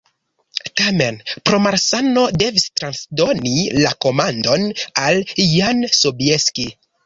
Tamen pro malsano devis transdoni la komandon al Jan Sobieski.